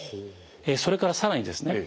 それから更にですね